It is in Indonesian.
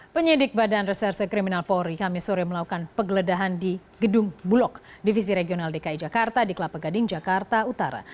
penyidik badan reserse kriminal polri kami sore melakukan penggeledahan di gedung bulog divisi regional dki jakarta di kelapa gading jakarta utara